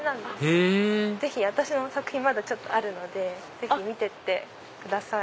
へぇ私の作品まだあるのでぜひ見てってください。